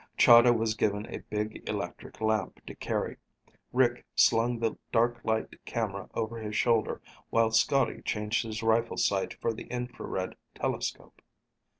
Chahda was given a big electric lamp to carry. Rick slung the dark light camera over his shoulder while Scotty changed his rifle sight for the infrared telescope.